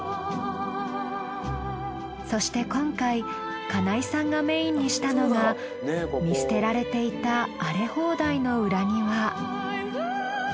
そして今回金井さんがメインにしたのが見捨てられていた荒れ放題の裏庭。